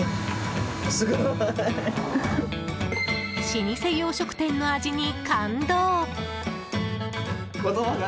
老舗洋食店の味に感動。